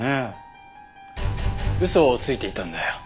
嘘をついていたんだよ。